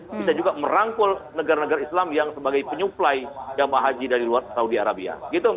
bisa juga merangkul negara negara islam yang sebagai penyuplai jamaah haji dari luar saudi arabia